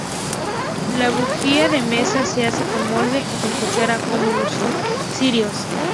La bujía de mesa se hace con molde o con cuchara, como los cirios.